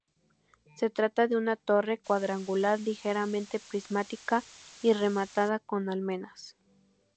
Se trata de una torre cuadrangular, ligeramente prismática y rematada con almenas.